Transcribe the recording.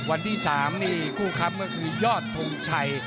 วันที่๓นี่คู่ค้ำก็คือยอดทงชัย